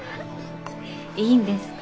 いいんですか？